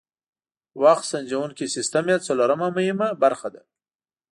وخت سنجوونکی سیسټم یې څلورمه مهمه برخه ده.